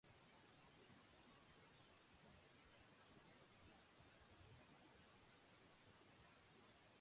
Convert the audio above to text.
Berehala jakin nuen bera zela.